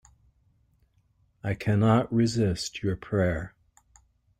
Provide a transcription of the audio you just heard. I cannot resist your prayer.